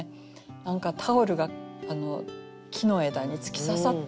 何かタオルが木の枝に突き刺さってる。